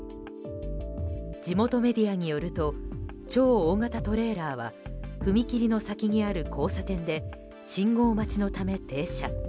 地元メディアによると超大型トレーラーは踏切の先にある交差点で信号待ちのため停車。